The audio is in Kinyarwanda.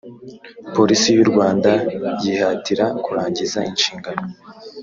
polisi y u rwanda yihatira kurangiza inshingano